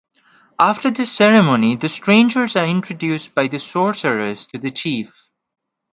After this ceremony the strangers are introduced by the sorcerers to the chief.